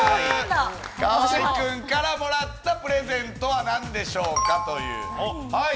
河合くんからもらったプレゼントは何でしょうかという。